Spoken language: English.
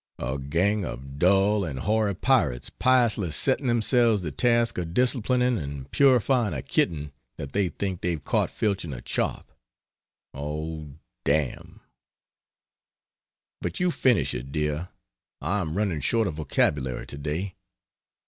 A gang of dull and hoary pirates piously setting themselves the task of disciplining and purifying a kitten that they think they've caught filching a chop! Oh, dam But you finish it, dear, I am running short of vocabulary today.